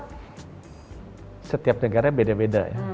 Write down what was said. jadi setiap negara beda beda ya